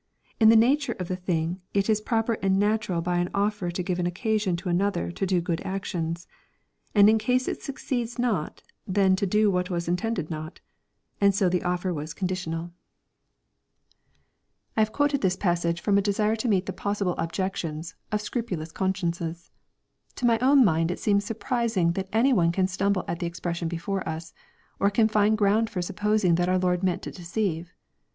In the nature of the thing it is proper and na^^ural by an offer to give an occasion to another to do good actions ; and in case it succeeds not then to do what was intended not ^nd so the offer was conditional." 22 506 EXPOSITORY THOUGHTS. I have quoted this passage from a desire to meet the possille objections of scrupulous consciences. To my own mind it seem? surprising that any one can stumble at the expression before us, or cm find ground for supposing that our Lord meant to deceive.